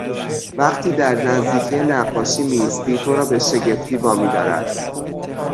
وقتی در نزدیکی نقاشی میایستی تو را به شگفتی وا میدارد